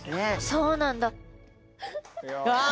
そうなんだ。